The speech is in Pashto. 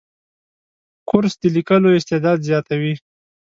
کورس د لیکلو استعداد زیاتوي.